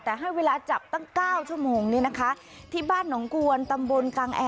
แต่ให้เวลาจับตั้งเก้าชั่วโมงนี้นะคะที่บ้านหนองกวนตำบลกางแอร์